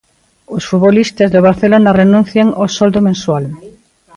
Os futbolistas do Barcelona renuncian o soldo mensual.